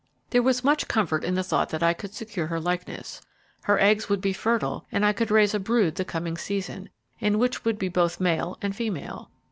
There was much comfort in the thought that I could secure her likeness; her eggs would be fertile, and I could raise a brood the coming season, in which would be both male and female.